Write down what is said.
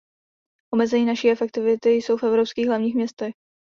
Omezení naší efektivity jsou v evropských hlavních městech.